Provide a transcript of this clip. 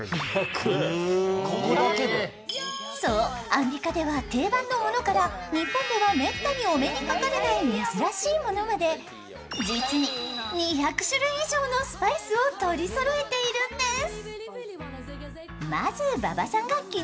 アンビカでは定番のものから日本ではめったにお目にかかれない珍しいものまで実に２００種類以上のスパイスを取りそろえているんです。